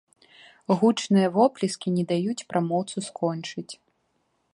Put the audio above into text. Гучныя воплескі не даюць прамоўцу скончыць.